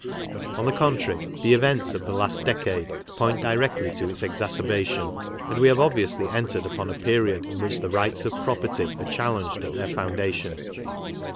On the contrary, the events of the last decade point KARL MARX 39 directly to its exacerbation; and we have obviously entered upon a period in whicli the rights of property are challenged at their foundation.